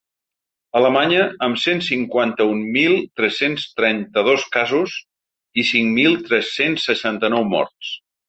Alemanya, amb cent cinquanta-un mil tres-cents trenta-dos casos i cinc mil tres-cents seixanta-nou morts.